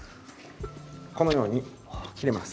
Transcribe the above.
このように切れます。